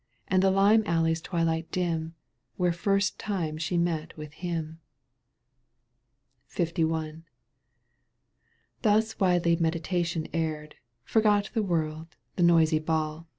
And the lime alley's twilight dim Where the first time she met with Aim. С LI. /? Thus widely meditation erred. Forgot the world, the noisy ball.